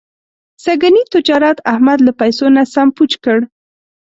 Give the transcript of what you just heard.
سږني تجارت احمد له پیسو نه سم پوچ کړ.